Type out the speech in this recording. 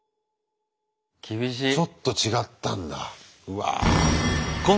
ちょっと違ったんだうわ。